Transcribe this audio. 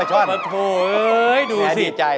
แห่งดีใจ